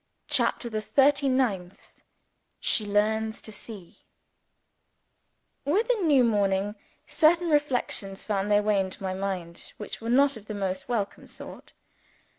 CHAPTER THE THIRTY NINTH She Learns to See WITH the new morning, certain reflections found their way into my mind which were not of the most welcome sort.